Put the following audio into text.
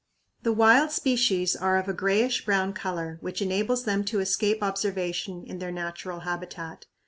The wild species are of a grayish brown color, which enables them to escape observation in their natural habitat.